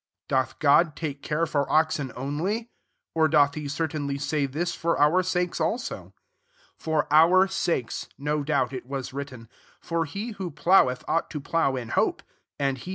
Doth God take care for oxen only .? 10 Or doth lie certainly say tHn for our >akea aho ? For our sakes, no ioubt it was written : for he ^ho ploweth ought to plow in tiope ; and he